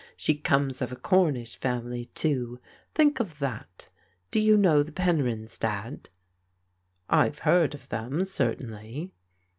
She comes of a Cornish family, too, think of that ! Do you know the Penryns, Dad? "" I've heard of them, certainly."